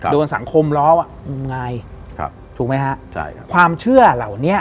โดนสังคมล้ออ่ะงมงายครับถูกไหมฮะใช่ครับความเชื่อเหล่านี้